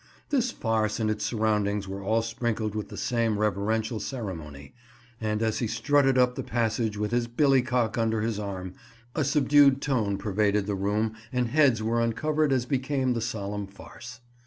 This farce and its surroundings were all sprinkled with the same reverential ceremony, and as he strutted up the passage with his billycock under his arm, a subdued tone pervaded the room and heads were uncovered as became the solemn farce.